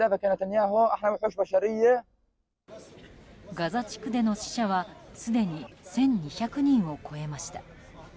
ガザ地区での死者はすでに１２００人を超えました。